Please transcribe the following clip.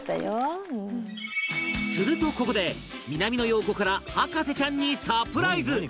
するとここで南野陽子から博士ちゃんにサプライズ